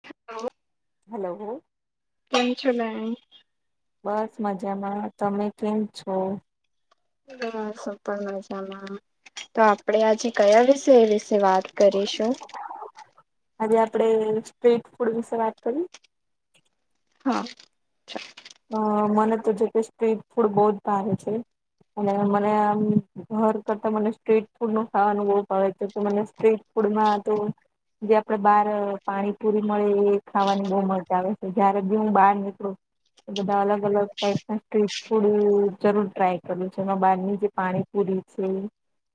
[inaudible] Hello કેમ છો ma'am? બસ મજામાં. તમે કેમ છો? [unintelligible] તો આપડે આજે કયા વિશય વિશે વાત કરીશું? આજે આપડે સ્ટ્રીટ ફૂડ વિશે વાત કરીએ? હા હા મને તો જો કે સ્ટ્રીટ ફૂડ બઉ જ ભાવે છે. અને મને આમ ઘર કરતા મને સ્ટ્રીટ ફૂડ નું ખાવાનુ બો ભાવે છે કે મને સ્ટ્રેટ ફૂડમાં તો જે આપડે બહાર પાણીપુરી મળે એ ખાવાની બહુ મજા આવે છે. જયારે બી હું બહાર નીકળું એ બધા અલગ અલગ ટાઇપના સ્ટ્રીટફૂડ હું જરૂર ટ્રાય કરૂ છૂ. એમાં બહારની જે પાણીપુરી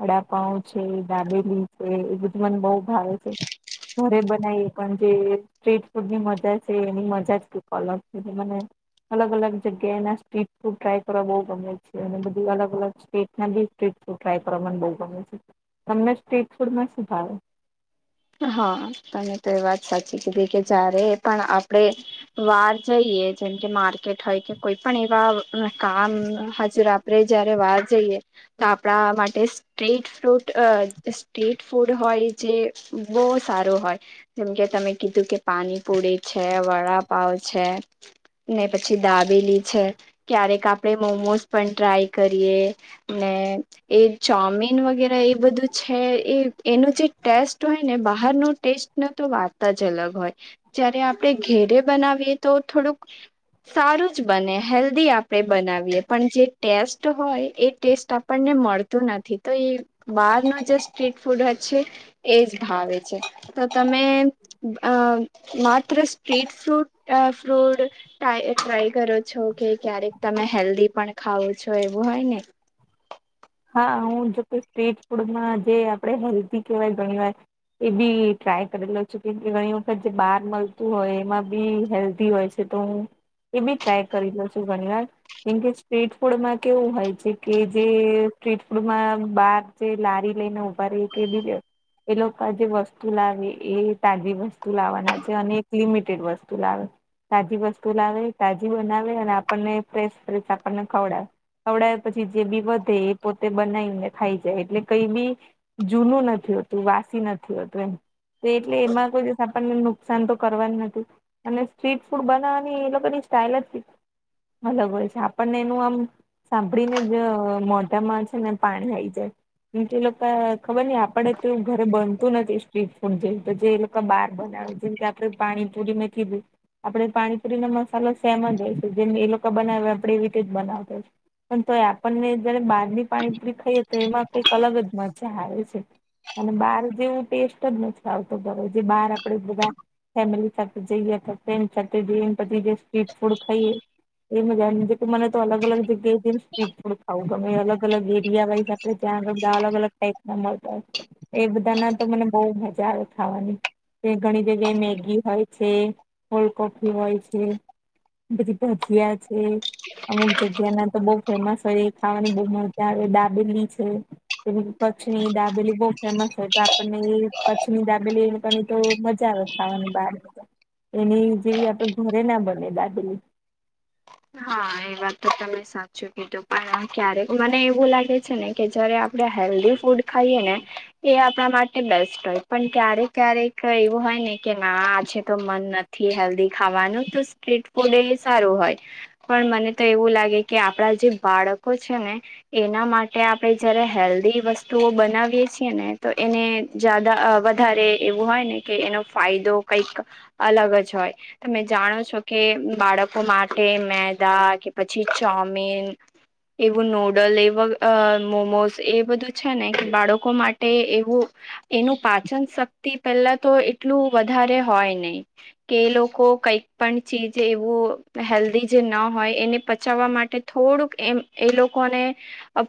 વડાપાવ છે, દાબેલી છે, એ બધું મને બહુ ભાવે છે. ઘરે બનાઈએ પણ જે સ્ટ્રીટ ફૂડની મજા છે એની મજા જ કંઈક અલગ છે મને અલગ અલગ જગ્યાના સ્ટીટફૂડ ટ્રાય કરવા બહુ ગમે છે અને બધું અલગ અલગ સ્ટેટના બી સ્ટ્રીટ ફૂડ ફ્રાય કરવા મને બહુ ગમે છે, તમને સ્ટ્રીટ ફૂડ માં શું ભાવે? હા તમે તો એ વાત સાચી કીધી કે જયારે પણ આપડે બાર જઈએ જેમ કે માર્કેટ હોય કે કોઈ પણ એવા કામ હજર આપડે જયારે વાર જઈએ તો આપણા માટે સ્ટ્રીટફ્રૂટ, સ્ટ્રીટફૂડ હોય જે બહુ સારું હોય. જેમ કે તમે કીધું કે પાણીપૂરી છે, વડાપાવ છે, ને પછી દાબેલી છે, ક્યારેક આપણેે મોમોઝ પણ ટ્રાય કરીએ. ને એ ચોમીન વગેરે એ બધું છે એ એનું જે ટેસ્ટ હોય ને બહાર ટેસ્ટનો તો વાત જ અલગ હોય. જયારે આપણે ઘેરે બનાવીએ તો થોડુંક સારું જ બને. હેલ્ધી આપણે બનાવીએ, પણ જે ટેસ્ટ હોય એ ટેસ્ટ પણને મળતું નથી તો એ બહારનું જે સ્ટ્રીટફૂડ હ છે. એજ ભાવે છે તો તમે માત્ર સ્ટ્રીટફ્રૂટ, ફ્રૂડ ટ્રાય કરો છો કે ક્યારેક તમે હેલ્ધી પણ ખાવ છો એવું હોય ને! હા હું જોકે સ્ટ્રીટફૂડમાં જે આપણે હેલ્ધી કહેવાય ઘણી વાર એ બી ટ્રાય કરેલો છે કેમ કે ઘણી વખત જે બહાર મળતું હોય એમાં બી હેલ્ધી હોય છે. તો હું એ બી ટ્રાય કરી લઉ છું ઘણી વાર. કેમકે સ્ટ્રીટફૂડમાં કેવું હોય છે કે જે સ્ટ્રીટફૂડમાં બાર જે લારી લઈને ઉભા રે એ કે એ લોકો આ જે વસ્તુ લાવે એ તાજી વસ્તુ લાવવાના છે અને એક લિમિટેડ વસ્તુ લાવે. તાજી વસ્તુ લાવે, તાજી બનાવે અને આપણને ફેશ ફેશ આપણને ખવડાવે. ખવડાવે અને પછી જે બી વધે એ પોતે બનાઈને ખાઈ જાય એટલે કઈ બી જૂનું નથી હોતું, વાસી નથી હોતું એમ. તે એટલે એમાં કોઈ દિવસ આપણને નુકસાન તો કરવાનું નથી અને સ્ટ્રીટફૂડ બનાવવાની એ લોકોની સ્ટાઇલ જ [unintelligible] અલગ હોય છે, આપણને એનું આમ સાંભળીને જ મો ઢામા છે ને પાણી આઈ જાય, જે લોકો ખબર ન આપડે તો ઘરે બનતું નથી સ્ટ્રીટફૂડ જે તો જે લોક બહાર બનાવું જે કે આપણે પાણી પુરી મે કીધું આપણેે પાણીપુરીનો મસાલો સેમ જ હોય છે, જેમ એ લોકો બનાવે આપણે એવી રીતે જ બનાવતા, હોય પણ તોઈ આપણને જયારે બહારની પાણીપૂરી ખાઈએ તો એમાં કંઈક અલગ જ મજા આવે છે. અને બહાર જેવો ટેસ્ટ જ નથી આવતો ધરે, જે બહાર આપડે બધા ફેમિલી [unintelligible] જઈએ તો [unintelligible] જે સ્ટ્રીટફૂડ ખાઈએ, એ મજા કે મને તો અલગ અલગ જગ્યાએ જેમ સ્ટ્રીટફૂડ ખાવુ ગમે અલગ અલગ એરિયા [unintelligible] ત્યાં અલગ અલગ ટાઈપના મળતા‌ હોય. એ બધાના તો મને બહુ મજા આવે ખાવાની, તે ઘણી જગ્યાએ મેગી હોય છે, કોલ્ડ કોફી હોય છે. પછી ભજીયા છે, અમુક જગ્યા ના તો બઉ ફેમસ હોય ખાવાની બહુ મજ આવે, દાબેલી છે. કચ્છની દાબેલી બહુ ફેમસ છે, તો આપણને એ કચ્છની દાબેલીને એ લોકોને તો મજા આવે ખાવાની બાર એની જેવી આપડે ઘરે ના બને દાબેલી હા એ વાત તો તમે સાચું કીધું પણ ક્યારેક મને એવું લાગે છે ને, કે જયારે આપણે હેલ્ધી ફૂડ ખાઈએ ને, એ આપણા માટે બેસ્ટ હોય પણ ક્યારેક ક્યારેક એવું હોય કે ના છે તો મન નથ થી હેલ્ધી ખાવાનું તો સ્ટ્રીટ ફૂડ એ સારું હોય પણ મને તો એવું લાગે કે આપડા જે બાળકો છે ને એના માટે આપણે જયારે હેલ્ધી વસ્તુઓ બનાવીએ છીએ ને તો એને જાદા અ વધારે એવું હોય ને કે એનો ફાયદો કઈક અલગ જ હોય તમે જાણો છો કે બાળકો માટે મે દા કે પછી ચોમીન એવું નૂડલ એ વો અ મોમોસ એ બધું છે ને બાળકો માટે એવું એનું પાચન શક્તિ પેલા તો એટલું વધારે હોય નઇ કે એ લોકો કંઈક પણ ચીજ એવું હેલ્ધી જે ન હોય એને પચાવા માટે થોડુંક એમ એ લોકોને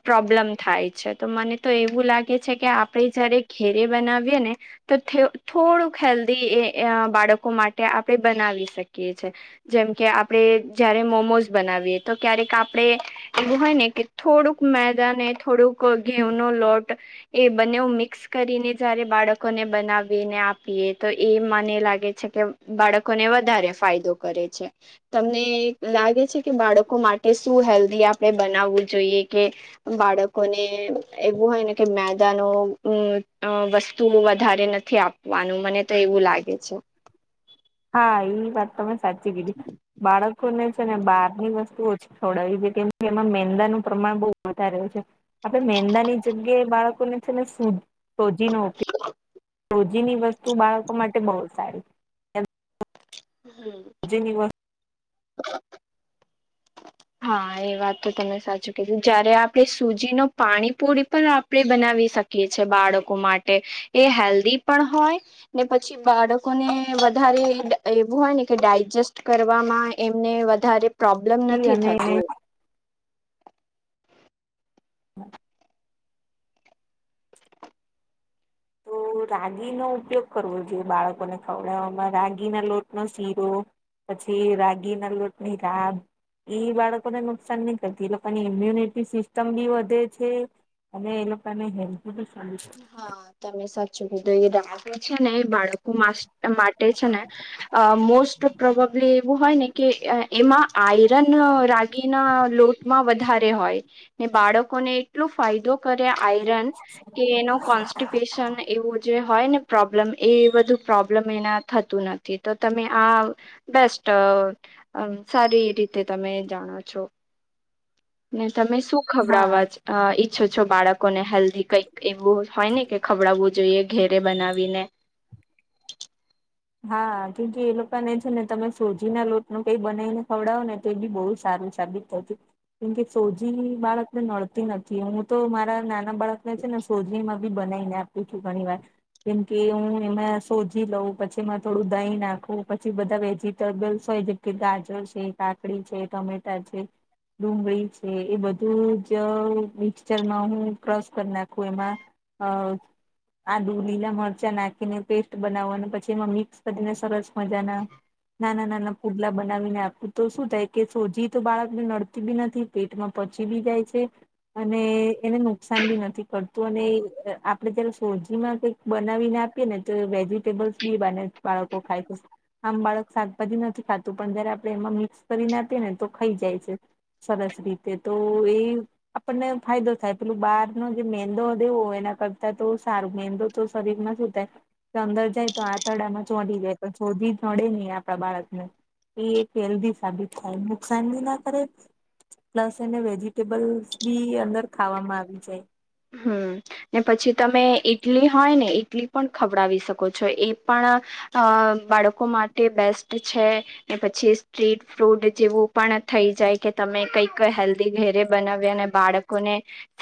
પ્રોબ્લમ થાય છે તો મને તો એવું લાગે છે કે આપણે જયારે ઘેરે બનાવીએ ને તો થે થોડુંક હેલ્ધી એ અ બાળકો માટે આપણે બનાવી શકીએ છે. જેમ કે આપડે જયારે મોમોસ બનાવીએ તો ક્યારેક આપડે એવું હોય ને કે થોડુંક મેદાને થોડુંક ઘેઉનો લોટ એ બનેવ મિક્સ કરીને જયારે બાળકોને બનાવીને આપીએ તો એ મને લાગે છે કે બાળકોને વધારે ફાયદો કરે છે તમને લાગ લાગે છે કે બાળકો માટે શું હેલ્ધી આપણે બનાવવું જોઈએ કે બાળકોને એવું હોય ને કે મેદાનો અ વસ્તુ વધારે નથી આપ વાનું મને તો એવું લાગે છે. હા ઈ વાત તમે સાચી કીધી બાળક લોકોને છે ને બારની વસ્તુ ઓછી ખવડાવી જે કેમ કે એમાં મેંદાનું પ્રમાણ બઉ વધારે હોય છે. આપણે મેંદાની જગ્યાએ બાળકોને છે ને શુદ રોજીનો રોજીની વસ્તુ બાળકો માટે બહુ સારી [inaudible] જીની વ હા એ વાત તો તમે સાચું કીધું. જયારે આપણે સૂજીનો પાણીપુરી પણ આ આપણે બનાવી શકીએ છે બાળકો માટે. એ હેલ્ધી પણ હોય ને પછી બાળકોને વધારે એ એવું હોય ને કે ડાયજેસ્ટ કરવામાં એમને વધારે પ્રોબ્લમ તી અને [inaudible] તો રાગીનો ઉપયોગ કરવો જોઈએ બાળકોને ખવડાવવામાં રાગીના લોટનો શીરો. પછી રાગીના લોટની રાબ. ઈ બાળકોને નુકસાન ની કરતી એ લોકોની ઈમ્યુનિટી સિસ્ટમ બી વધે છે. અને એ લોકાને હેલ્દી બી [inaudible] હા તમે સાચું કીધું. એ રાગી છે ને એ બાળકો માસ માટે છે ને અ મોસ્ટ પ્રોબબલી એવું હોય ને કે અ એમાં આયરન રાગીના લોટમાં વધારે હોય. ને બાળકોને એટલો ફાયદો કરે આયરન કે એનો કોન્સ્ટીપેશન એવું જે હ હોય ને પ્રોબ્લેમ એ બધું પ્રોબ્લેમ એના થતું નથી. તો તમે આ બેસ્ટ સારી રીતે તમે જાણો છો. ને તમે શું હા ખવડાવવા ઈચ્છો છો બાળકોને હેલ્ધી કઈ? એવું હોય ને કે ખવડાવવું જોઈએ ઘેરે બનાવીને. હા કેમ કે એ લોકાને છે ને તમે સોજીના લોટનું કઈ બનાવીને ખવડાવો ને તો એબી બોવ સારું સાબિત થતી કેમ કે સોજી બાળકને નડતી નથી. હું તો મારા ના ના બાળકને છે ને સોજીમાં એબી બનાઈને આપીતી ઘણીવાર. કેમ કે હું એમાં સોજી લઉ. પછી એમાં થોડું દહીં નાખું. પછી બધા વેજીિટેબલ્સ હોય જેમ કે ગાજર છે. કાકડી છે, ટમેટા છે. ડુંગળી છે એ બધું જ મિક્ચરમાં હું ક્રસ કરી નાખું એમાં અ આદું, લીલા મરચાં નાખીને પેસ્ટ બનાવવાનું પછ છી એમાં મિક્સ કરીને સરસ મજાના નાના નાના પુડલા બનાવીને આપું તો શું થાય કે સોજી તો બાળકને નડતી બી નથી. પેટમાં પચી બી જાય છે. અને એને નુકસાન ભી નથી પડતું અને આપડે જયારે સોજીમાં કઈક બનાવીને આપીએ ને તો વેજીિટેબલ્સ બી બને બાળકો ખાઈ આમ બાળક શાકભાજી નથી ખાતું પણ જયારે આપણે એમાં મિક્સ કરીને આપીએ ને તો ખાઈ જાય છે. સરસ રીતે તો એ આપણને ફાયદો થાય પેલું બહાર નો જે મેંદો દેવો એના કરતાં તો સારું મેંદો તો શરીરમાં શું થાય એ અંદર જાય તો આંતરડામાં ચોંટી જાય તો શોધી નડે નહી આપણા બાળકને. એ એક હેલ્ધી સાબિત થાય નુકસાન બી ના કરે. પ્લસ એને વેજીિટેબલ્સ બી અંદર ખાવામાં આવી જાય. હમ ને પછી તમે ઈટલી હોય ને ઈટલી પણ ખવડાવી શકો છો એ પણ અ બાળકો માટે બેસ્ટ છે. ને પછી સ્ટ્રીટ ફ્રૂટ જેવું પણ થઈ જાય કે તમે કઈક હેલ્ધી ઘેરે બનાવી અને બાળક કોને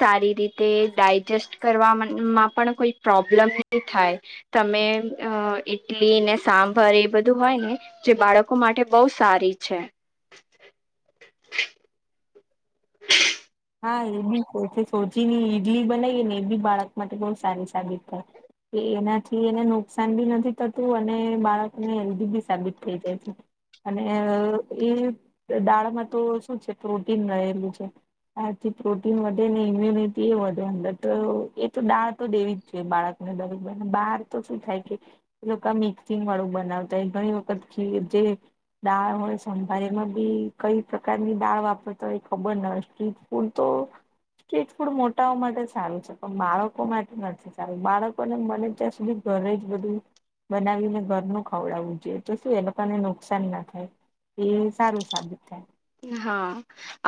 સારી રીત તે ડાયજેસ્ટ કરવામાં પણ કોઈ પ્રોબ્લેમ ની થાય. તમે ઈટલી ને સાંભર એ બધું હોય ને જે બાળકો માટે બહુ સારી છે. હા એ બી સોજીની ઈડલી બનાવીએ, ને એ બી બાળક માટે બહુ સારી સાબિત થાય. કે એનાથી એને નુકસાન બી નથી થતું અને બાળકને હેલ્ધી બી સાબિત થઈ જાય. અને એ દાળમાં તો શું છે પ્રોટીન રહેલું છે. આના થી પ્રોટીન વધે ને ઇમ્યુનિટી એ વધે અંદર તો એ તો દાળ તો દેવી જ જોઈએ બાળક ને. અને બરોબરને બહાર તો શું થાય કે. એ લોકો મિક્સિંગ વાળું બનાવતાય ઘણી વખત ખીર જે. દાળ હોય સાંભર માં બી કઈ પ્રકારની દાળ વાપરતા હોય એ ખબર ન હોય. ફપલ તો. [inaudible] સ્ટ્રીટ ફૂડ મોટાઓ માટે સારું છે. પણ બાળકો માટે નથી સારું, બાળકો ને બને ત્યાં સુધી. ઘરે જ બધું બનાવીને ઘરનું ખવડાવવું જોઈએ તો શું એ લોકોને નુકસાન ના થાય. એ સારું સાબિત થાય. હા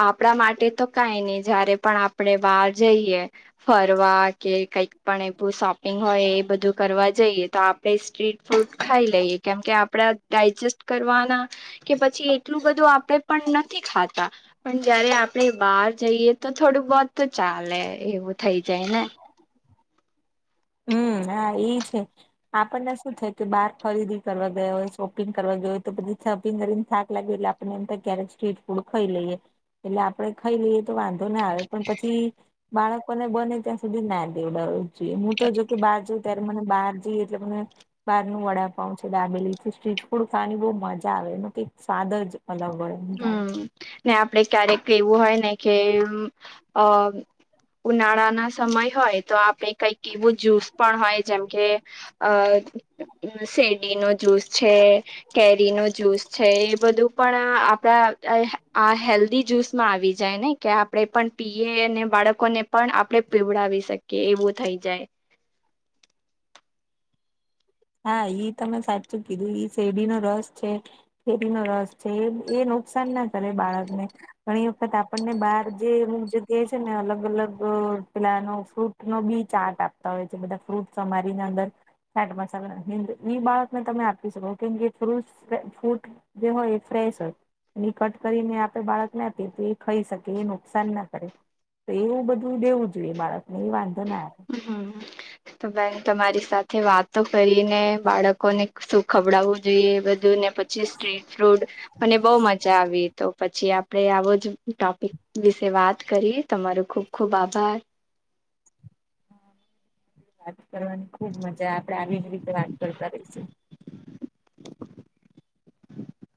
આપણા માટે તો કઈ નહી જયારે પણ આપણે બહાર જઈએ. ફરવા કે કઈક પણ એ શોપિંગ હોય, એ બધું કરવા જઈએ તો આપ. સ્ટ્રીટ ફૂડ ખાઈ લઈએ કેમ કે આપડા ડાયજેસ્ટ કરવાના. કે પછી એટલું બધું આપડે પણ નથી ખાતા. પણ જયારે આપણે બહાર જઈએ તો થોડું બહત તો ચાલે એવું થઈ જાય ને. હમ હા ઇ છે. આપણને શું થ કે બહાર ખરીદી કરવા ગયા હોય શોપિંગ કરવા ગયા હોય તો પછી શપિંગ કરીને થાક લાગે એટ, એમ ક્યારેક સ્ટ્રીટ ફૂડ ખાઈ લઈએ એટલે આપડે ખાઈ લઈએ તો વાંધો ના આવે પણ પછી. બાળકોને બને ત્યાં સુધી ના દેવડાવવું જોઈએ, હું તો જો કે બાજુ. અત્યારે મને બહાર જઈએ એટલે મને. બહાર નું વડાપઉ છે. દાબેલી થી સ્ટ્રીટ ફૂડ ખાવાની બહુ મજા આવે એ કઈક સ્વાદ જ અલગ હોય. હમ ને આપડે ક્યારેક એવું હોય ને કે અ. ઉનાળા ના સમય હોય તો આપે કઈક એવું જ્યુસ પણ હોય જેમ કે અ શેરડી નો જુસ છે. કેરીનો જ્યુસ છે. એ બધું પણ આપ એ આ હેલ્દી જ્યુસ આવી જાય ને કે આપણે પણ પીએ અને બાળકોને પણ આપડે પીવડાવી શકીએ એવું થઈ જાય. હા ઈ તમે સાચું કીધું ઇ શેરડીનો રસ છે. કેરીનો રસ છે, એ એ નુકસાન ના કરે બાળકને ઘણી વખત આ આપણને બહાર જે અમુક જગ્યાએ છે ને અલગ અલગ પેલા નો ફ્રૂટ નો બી ચાટ આપ હવે તો બધા ફ્રૂટ સમારી ને અંદર [unintelligible] [inaudible] [inaudible] બાળકને તમે આપી શકો કેમ કે ફ્રૂટ ફૂટ જે હોય એ ફ્રેશ હોય. ઇ કટ કરીને આપે બાળકને આપીએ તો એ ખઈ શકી એ નુકસાન ના કરે. તો એવું બધું દેવું જોઈએ બાળકને એ વાંધો ના આવે. તો બેન તમારી સાથે વાતો કરીને બાળકોને શું ખવડાવવું જોઈએ એ બધુંને પછી સ્ટ્રીટ ફ્રૂટ અને બહુ મજા આવી તો પછી આ આપણે આવો જ ટોપિક વિશે વાત કરીએ તમારો ખૂબ ખૂબ આભાર. વાત કરવાની ખુબ મજા આપડે આવી જ રીતે વાત કરતા રહીશું. [inaudible] [inaudible]